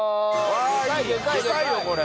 でかいよこれ。